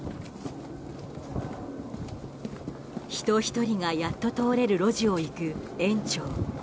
人１人がやっと通れる路地を行く園長。